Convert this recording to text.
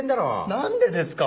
何でですか？